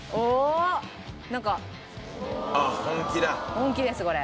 本気ですこれ。